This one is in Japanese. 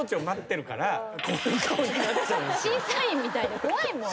審査員みたいで怖いもん。